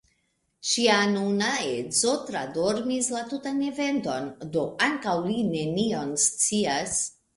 Ŝia nuna edzo tradormis la tutan eventon, do ankaŭ li nenion scias.